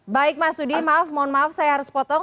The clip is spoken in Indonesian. baik mas sudi maaf mohon maaf saya harus potong